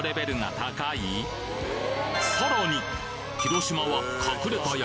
さらに！